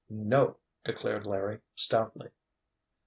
"No!" declared Larry, stoutly.